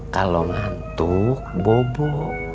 kalau ngantuk bobo